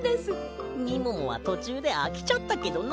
みももはとちゅうであきちゃったけどな。